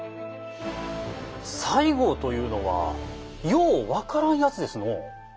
西郷というのはよう分からんやつですのう。